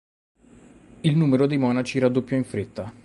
Il numero dei monaci raddoppiò in fretta.